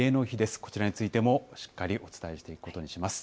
こちらについてもしっかりお伝えしていくことにしています。